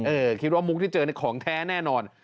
คิดว่ามุกที่เจอในของแท้แน่นอน